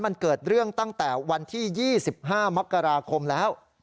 มันเกิดเรื่องตั้งแต่วันที่๒๕มกราคมแล้ว